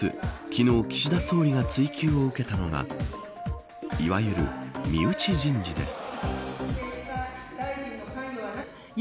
昨日岸田総理が追及を受けたのがいわゆる身内人事です。